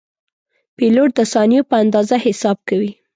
پیلوټ د ثانیو په اندازه حساب کوي.